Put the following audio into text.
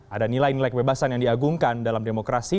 ada nilai nilai kebebasan yang diagungkan dalam demokrasi